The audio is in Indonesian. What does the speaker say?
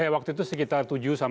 waktu itu sekitar tujuh sampai